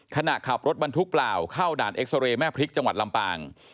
ขณะขับรถบรรทุกเปล่าเข้าด่านเอ็กซาเรย์แม่พริกจังหวัดลำปาง